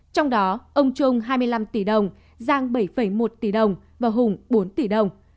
trong đó ông trung hai mươi năm tỷ đồng giang bảy một tỷ đồng và hùng bốn tỷ đồng